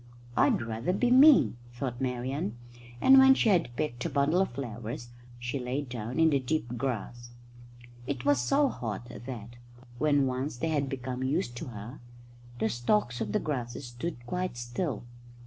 "I'd rather be me," thought Marian, and when she had picked a bundle of flowers she lay down in the deep grass. It was so hot that, when once they had become used to her, the stalks of the grasses stood quite still.